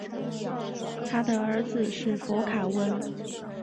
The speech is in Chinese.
他的儿子是佛卡温。